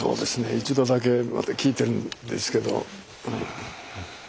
一度だけ聞いてるんですけど。